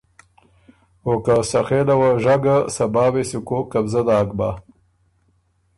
او که سخېله وه ژۀ ګۀ صبا وې سُو کوک قبضۀ داک بۀ